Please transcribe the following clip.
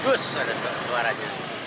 dus ada suaranya